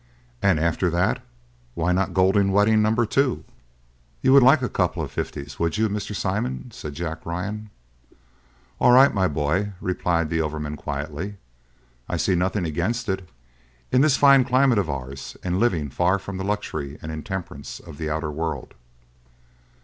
"And after that, why not golden wedding number two?" "You would like a couple of fifties, would you, Mr. Simon?" said Jack Ryan. "All right, my boy," replied the overman quietly, "I see nothing against it in this fine climate of ours, and living far from the luxury and intemperance of the outer world."